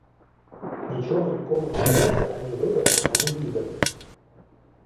Нічого нікому не далося ані видати, ані відати...